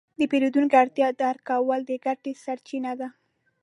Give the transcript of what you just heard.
د پیرودونکي اړتیا درک کول د ګټې سرچینه ده.